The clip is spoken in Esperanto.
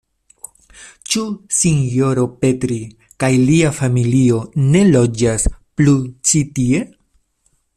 Ĉu sinjoro Petri kaj lia familio ne loĝas plu ĉi tie?